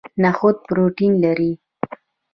نخود پروتین لري